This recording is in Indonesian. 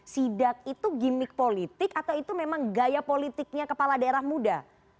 sidak itu gimmick politik atau itu memang gaya politiknya kepala daerah muda